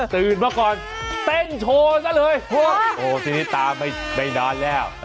ตื่นมาก่อนเต้นโชว์ซะเลยโอ้ทีนี้ตาไม่นานแล้ว